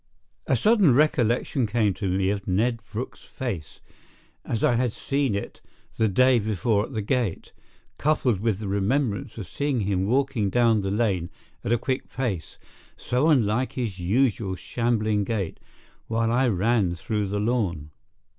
A sudden recollection came to me of Ned Brooke's face as I had seen it the day before at the gate, coupled with the remembrance of seeing him walking down the lane at a quick pace, so unlike his usual shambling gait, while I ran through the lawn.